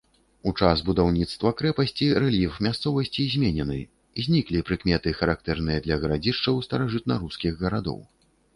У час будаўніцтва крэпасці рэльеф мясцовасці зменены, зніклі прыкметы, характэрныя для гарадзішчаў старажытнарускіх гарадоў.